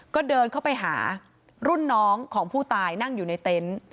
ก็เดินเข้าไปหารุ่นน้องของผู้ตายนั่งอยู่ในเต็นต์